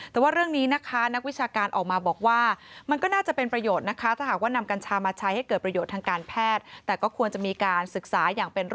แต่ว่าเรื่องนี้นะคะนักวิชาการออกมาบอกว่ามันก็น่าจะเป็นประโยชน์นะคะ